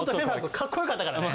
カッコよかったからね。